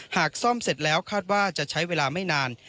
หากซ่อมเสร็จแล้วคาดว่าจะใช้เวลาไม่นาน